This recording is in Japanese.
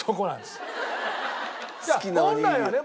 本来はね